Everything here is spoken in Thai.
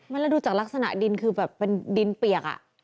แล้วดูจากลักษณะดินคือแบบเป็นดินเปียก